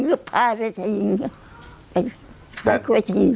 ก็พาไปเฉยไปขายกล้วยเฉย